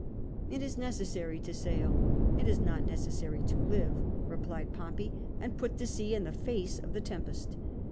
It is necessary to sail, it is not necessary to live,'^ replied Pompey, and put to sea in the face of the tempest.